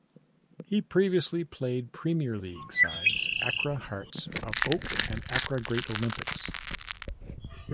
He previously played Premier league sides Accra Hearts of Oak and Accra Great Olympics.